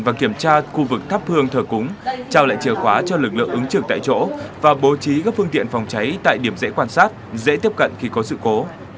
và kiểm tra khu vực thắp hương thờ cúng trao lại chìa khóa cho lực lượng ứng trực tại chỗ và bố trí các phương tiện phòng cháy tại điểm dễ quan sát dễ tiếp cận khi có sự cố